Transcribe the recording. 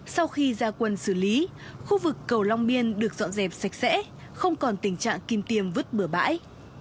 sau khi ra quân xử lý khu vực cầu long biên được dọn dẹp sạch sẽ không còn tình trạng kim tiêm vứt bửa bãi